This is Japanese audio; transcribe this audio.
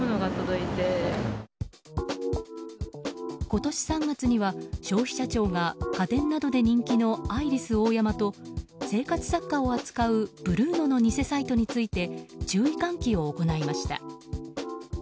今年３月には消費者庁が家電などで人気のアイリスオーヤマと生活雑貨を扱うブルーノの偽サイトについて注意喚起を行いました。